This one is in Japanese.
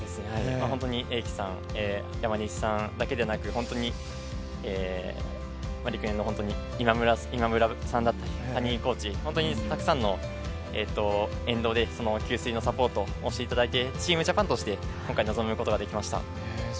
本当に英輝さん、山西さんだけではなく陸連の方だったり、コーチ、今村コーチ、本当にたくさんの沿道で、給水のサポートをしていただいて、チームジャパンとして今回臨むことができました。